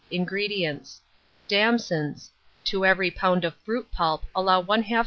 INGREDIENTS. Damsons; to every lb. of fruit pulp allow 1/2 lb.